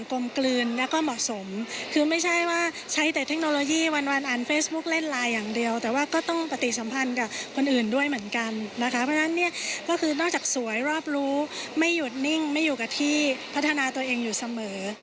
ก็คือนอกจากสวยรอบรู้ไม่หยุดนิ่งไม่อยู่กับที่พัฒนาตัวเองอยู่เสมอ